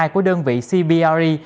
của đơn vị cbre